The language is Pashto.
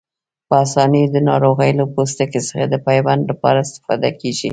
په آسانۍ د ناروغ له پوستکي څخه د پیوند لپاره استفاده کېږي.